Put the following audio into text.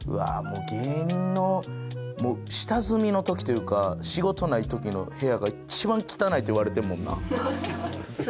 芸人の下積みの時というか仕事ない時の部屋が一番汚いって言われてるもんな。